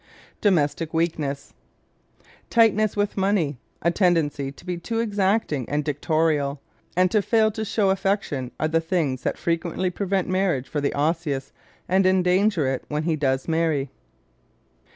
Domestic Weaknesses ¶ Tightness with money, a tendency to be too exacting and dictatorial, and to fail to show affection are the things that frequently prevent marriage for the Osseous and endanger it when he does marry.